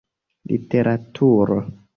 literaturo